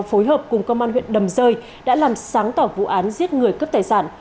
phối hợp cùng công an huyện đầm rơi đã làm sáng tỏ vụ án giết người cướp tài sản